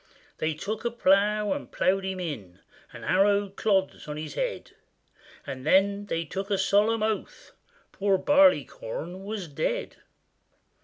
They took a plough and ploughed him in, And harrowed clods on his head; And then they took a solemn oath, Poor Barleycorn was dead.